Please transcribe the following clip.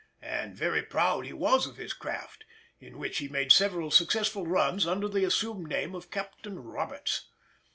And very proud he was of his craft, in which he made several successful runs under the assumed name of Captain Roberts.